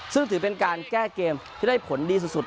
ซึ่งถือเป็นการแก้เกมที่ได้ผลดีสุด